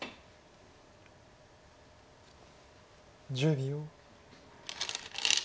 １０秒。